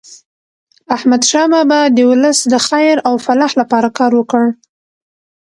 احمد شاه بابا د ولس د خیر او فلاح لپاره کار وکړ.